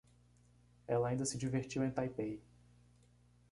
Ela ainda se divertiu em Taipei.